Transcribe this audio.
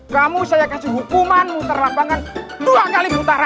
kamu saya kasih hukuman muter lapangan dua kali mutara